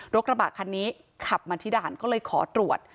กระบะคันนี้ขับมาที่ด่านก็เลยขอตรวจ